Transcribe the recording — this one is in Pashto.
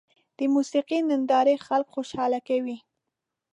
د موسیقۍ نندارې خلک خوشحاله کوي.